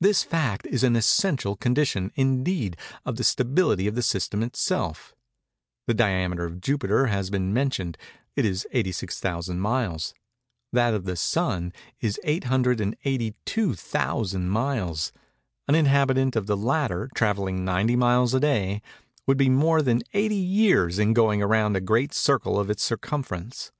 This fact is an essential condition, indeed, of the stability of the system itself. The diameter of Jupiter has been mentioned:—it is 86,000 miles:—that of the Sun is 882,000 miles. An inhabitant of the latter, travelling 90 miles a day, would be more than 80 years in going round a great circle of its circumference.